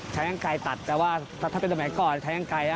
ใช้อังกายตัดแต่ว่าถ้าเป็นตำแหน่งก่อนใช้อังกาย